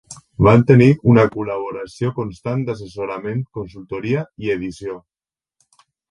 Van tenir una col·laboració constant d'assessorament, consultoria i edició.